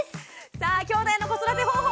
さあきょうだいの子育て方法